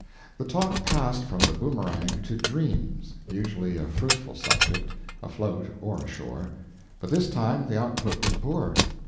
The talk passed from the boomerang to dreams usually a fruitful subject, afloat or ashore but this time the output was poor.